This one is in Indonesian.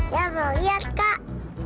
ya mau lihat kak